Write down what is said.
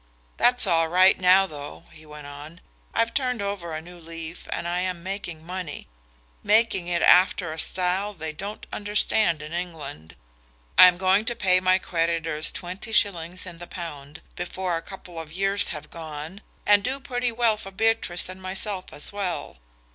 That's all right now, though," he went on. "I've turned over a new leaf and I am making money making it after a style they don't understand in England. I am going to pay my creditors twenty shillings in the pound before a couple of years have gone, and do pretty well for Beatrice and myself as well.